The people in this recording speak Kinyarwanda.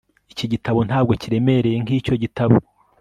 iki gitabo ntabwo kiremereye nkicyo gitabo